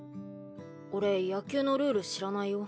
俺野球のルール知らないよ